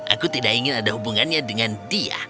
aku tidak ingin ada hubungannya dengan dia